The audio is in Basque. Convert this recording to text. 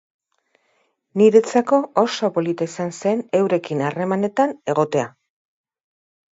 Niretzako oso polita izan zen eurekin harremanetan egotea.